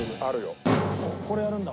これやるんだ。